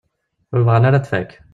Ur bɣan ara ad tfak.